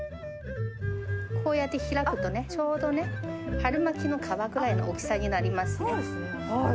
こうやって開くとね、ちょうどね、春巻きの皮ぐらいの大きさになります。